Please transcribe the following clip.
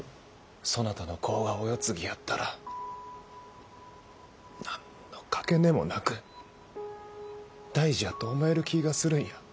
そなたの子がお世継ぎやったら何の掛値もなく大事やと思える気がするんや。